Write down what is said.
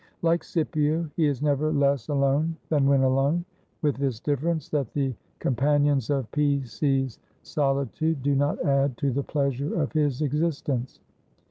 Like Scipio, he is never less alone than when alone; with this difference, that the companions of P. C.'s solitude do not add to the pleasure of his existence.